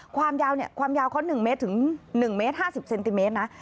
ความยาวเขา๑เมตรถึง๑เมตร๕๐เซนติเมตรนะ